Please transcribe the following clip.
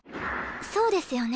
そうですよね？